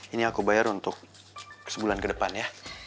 ini aku bayar untuk sebulan kedepan ya